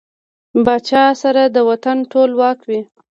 پاچا سره د وطن ټول واک وي .